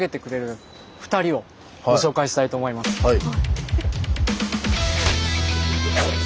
はい。